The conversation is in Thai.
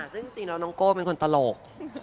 ซึ่งจริงแล้วน้องโก้เป็นคนตลก